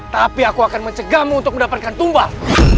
tapi aku akan mencegahmu untuk mendapatkan tumpang